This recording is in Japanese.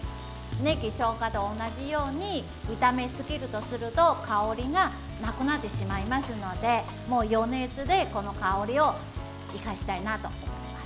ねぎ、しょうがと同じように炒めすぎると香りがなくなってしまいますのでもう、余熱で香りを生かしたいと思います。